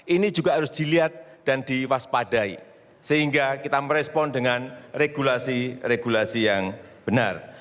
ini juga harus dilihat dan diwaspadai sehingga kita merespon dengan regulasi regulasi yang benar